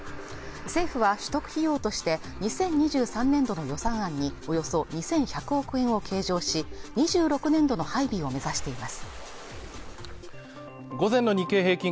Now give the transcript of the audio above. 政府は取得費用として２０２３年度の予算案におよそ２１００億円を計上し２６年度の配備を目指しています